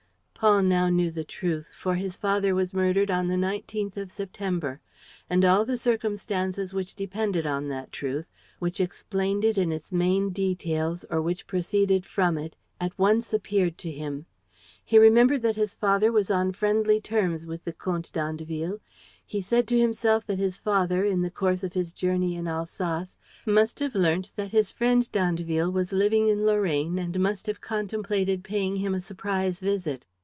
Paul now knew the truth, for his father was murdered on the 19th of September. And all the circumstances which depended on that truth, which explained it in its main details or which proceeded from it at once appeared to him. He remembered that his father was on friendly terms with the Comte d'Andeville. He said to himself that his father, in the course of his journey in Alsace, must have learnt that his friend d'Andeville was living in Lorraine and must have contemplated paying him a surprise visit.